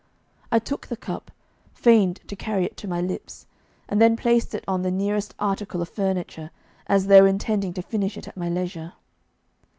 I took the cup, feigned to carry it to my lips, and then placed it on the nearest article of furniture as though intending to finish it at my leisure.